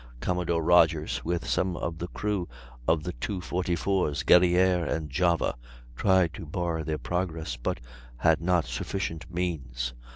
Commodore Rodgers, with some of the crew of the two 44's, Guerrière and Java, tried to bar their progress, but had not sufficient means.